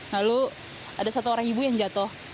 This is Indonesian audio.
lalu ada satu orang ibu yang jatuh